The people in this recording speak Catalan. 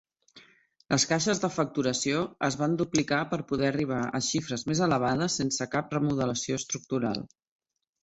Les caixes de facturació es van duplicar per poder arribar a xifres més elevades sense cap remodelació estructural.